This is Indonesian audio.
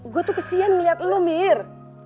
gue tuh kesian ngeliat lo mir